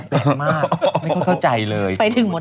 แปลงรอยไม่เข้าใจเลย